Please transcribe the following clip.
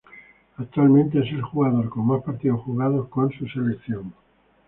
Actualmente es el jugador con más partidos jugados con su selección.